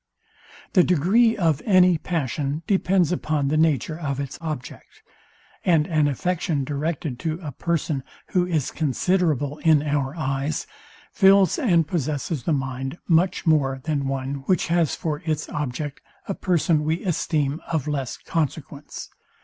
The degree of any passion depends upon the nature of its object; and an affection directed to a person, who is considerable in our eyes, fills and possesses the mind much more than one, which has for its object a person we esteem of less consequence.